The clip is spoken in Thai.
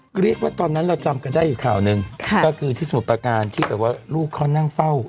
ก็เรียกว่าตอนนั้นเราจำกันได้อยู่ข่าวหนึ่งก็คือที่สมุทรประการที่แบบว่าลูกเขานั่งเฝ้า